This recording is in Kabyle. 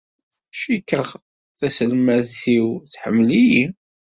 Cikkeɣ taselmadt-iw tḥemmel-iyi.